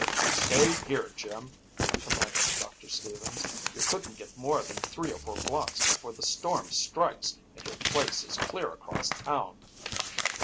"Stay here, Jim," commanded Doctor Stevens. "You couldn't get more than three or four blocks before the storm strikes and your place is clear across town.